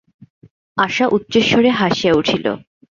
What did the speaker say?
আশা উচ্চৈঃস্বরে হাসিয়া উঠিল।